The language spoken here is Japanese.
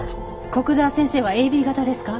古久沢先生はＡＢ型ですか？